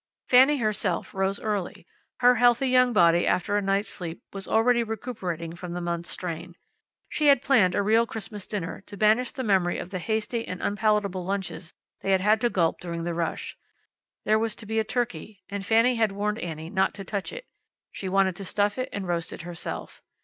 Fanny herself rose early. Her healthy young body, after a night's sleep, was already recuperating from the month's strain. She had planned a real Christmas dinner, to banish the memory of the hasty and unpalatable lunches they had had to gulp during the rush. There was to be a turkey, and Fanny had warned Annie not to touch it. She wanted to stuff it and roast it herself.